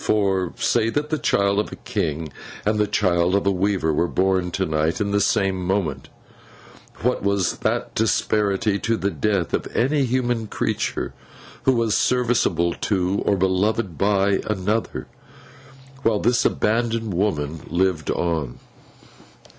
For, say that the child of a King and the child of a Weaver were born to night in the same moment, what was that disparity, to the death of any human creature who was serviceable to, or beloved by, another, while this abandoned woman lived on!